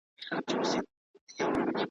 موږ او تاسي هم مرغان یو هم خپلوان یو `